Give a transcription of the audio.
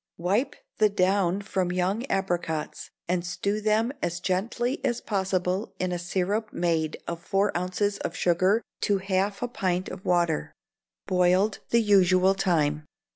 Wipe the down from young apricots, and stew them as gently as possible in a syrup made of four ounces of sugar to half a pint of water, boiled the usual time.